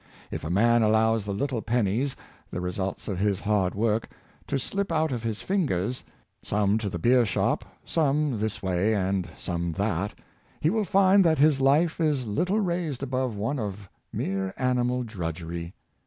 If a man allows the little pennies, the results of his hard work, to slip out of his fingers — some to the beer shop, some this way and some that — he will find that his life is little raised above one of mere animal drudgery.